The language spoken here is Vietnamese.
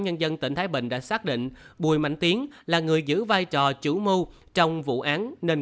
nhân dân tỉnh thái bình đã xác định bùi mạnh tiến là người giữ vai trò chủ mưu trong vụ án nên